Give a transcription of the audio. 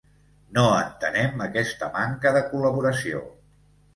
No entenem aquesta manca de col·laboració.